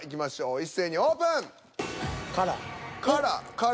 一斉にオープン。